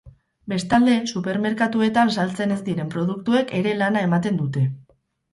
Bestalde, supermerkatuetan saltzen ez diren produktuek ere lana ematen dute.